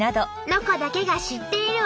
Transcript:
「ロコだけが知っている」。